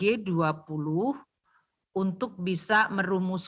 di indonesia indonesia dan indonesia